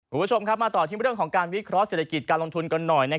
คุณผู้ชมครับมาต่อที่เรื่องของการวิเคราะห์เศรษฐกิจการลงทุนกันหน่อย